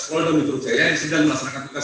polisi yang sedang melaksanakan